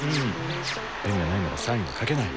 ペンがないならサインはかけないよ。